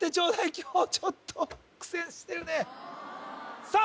今日ちょっと苦戦してるねさあ